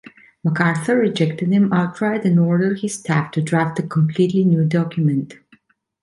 MacArthur rejected them outright and ordered his staff to draft a completely new document.